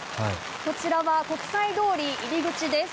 こちらは国際通りの入り口です。